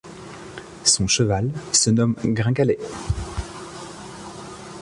Son cheval se nomme Gringalet.